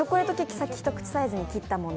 さっき一口サイズに切ったもの